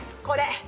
これ。